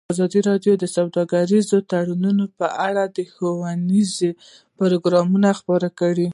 ازادي راډیو د سوداګریز تړونونه په اړه ښوونیز پروګرامونه خپاره کړي.